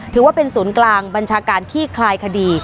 ถือว่าเป็นศูนย์กลางบัญชาการขี้คลายคดี